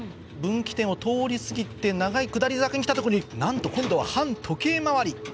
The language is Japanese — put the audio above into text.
分岐点を通り過ぎて長い下り坂に来たとこでなんと今度は反時計回り。